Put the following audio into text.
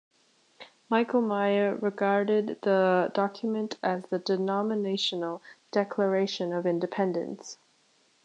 Michael Meyer regarded the document as the denominational declaration of independence.